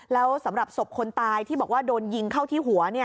แล้วสำหรับศพคนตายที่บอกว่าโดนยิงเข้าที่หัว